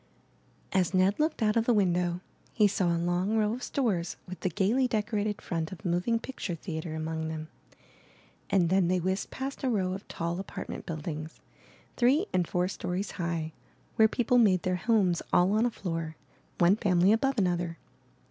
As Ned looked out of the window, he saw a long row of stores with the gaily decorated front of a moving picture theatre among them, and then they whizzed past a row of tall apartment buildings, three and four stories high, where people made their homes all on a floor, one family above another.